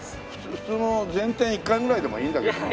普通の前転１回ぐらいでもいいんだけどなあ。